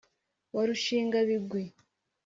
wa rushingabigwi